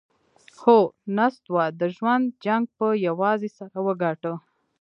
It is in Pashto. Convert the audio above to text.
هو، نستوه د ژوند جنګ پهٔ یوازې سر وګاټهٔ!